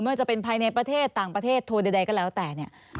ว่าจะเป็นภายในประเทศต่างประเทศโทรใดก็แล้วแต่เนี่ย